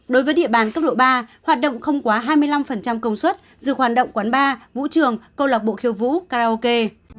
đối với địa bàn cấp độ ba hoạt động không quá hai mươi năm công suất dừng hoạt động quán bar vũ trường câu lạc bộ khiêu vũ karaoke